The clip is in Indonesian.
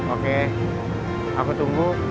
oke aku tunggu